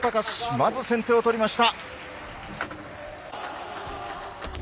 まず先手を取りました。